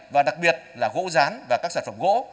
và đặc biệt là gỗ rán và các sản phẩm gỗ